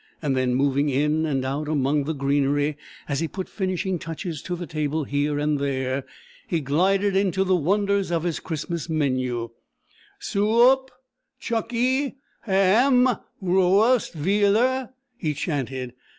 Then, moving in and out among the greenery as he put finishing touches to the table here and there, he glided into the wonders of his Christmas menu: "Soo oup! Chuckie! Ha am! Roooast Veal er!" he chanted.